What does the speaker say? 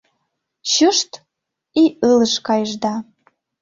Чышт! — и ылыж кайышда!